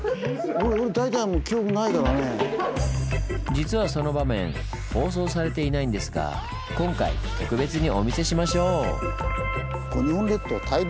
実はその場面放送されていないんですが今回特別にお見せしましょう！